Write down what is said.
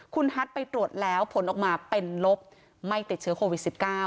คุณฮัทไปตรวจแล้วผลออกมาเป็นลบไม่ติดเชื้อโควิด๑๙